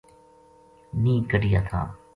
نیہہ کَڈھیا تھا